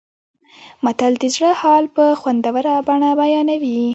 متل د زړه حال په خوندوره بڼه بیانوي